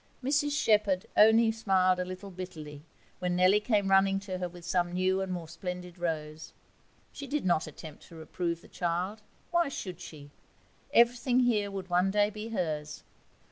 Mrs Shepherd only smiled a little bitterly when Nellie came running to her with some new and more splendid rose. She did not attempt to reprove the child. Why should she? Everything here would one day be hers.